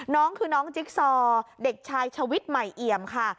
น้องคือน้องจิ๊กซอเด็กชายชวิตใหม่เอี่ยมค่ะ